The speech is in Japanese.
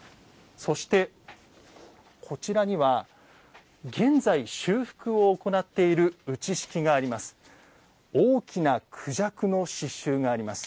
そして、こちらには現在、修復を行っている打敷があります。